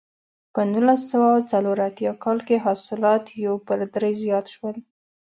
په نولس سوه څلور اتیا کال کې حاصلات یو پر درې زیات شول.